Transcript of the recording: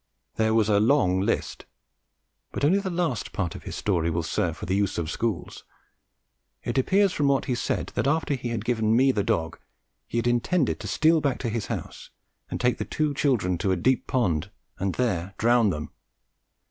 There was a long list, but only the last part of his story will serve for "the use of schools." It appears from what he said that, after he had given me the dog, he had intended to steal back to his house and take the two children to a deep pond and there drown them.